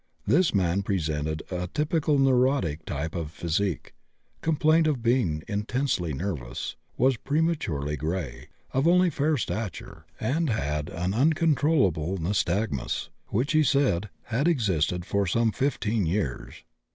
This man presented a typically neurotic type of physique, complained of being intensely nervous, was prematurely gray, of only fair stature, and had an uncontrollable nystagmus, which, he said, had existed for some fifteen years.